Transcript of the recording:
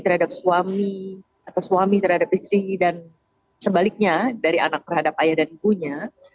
terhadap suami atau suami terhadap istri dan sebaliknya dari anak terhadap ayah dan ibunya